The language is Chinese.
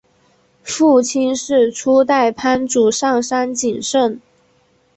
父亲是初代藩主上杉景胜。